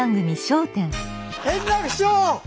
円楽師匠！